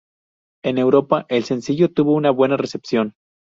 En Europa, el sencillo tuvo una buena recepción.